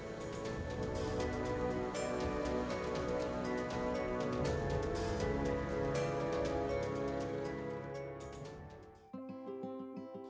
meski di tengah keterbatasan